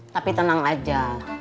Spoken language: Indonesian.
tapi tenang aja